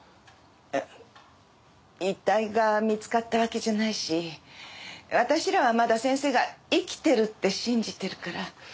あ遺体が見つかったわけじゃないし私らはまだ先生が生きてるって信じてるから。